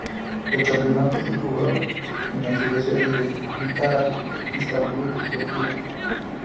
El campeonato se jugó en la subsede de Ankara y Istanbul, Turquía.